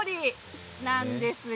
なんですよ。